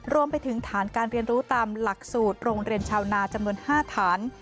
รวมไปถึงฐานการเรียนรู้ตามหลักสูตรโรงเรียนชาวนาจำนวน๕ฐาน